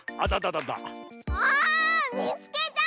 ああっみつけた！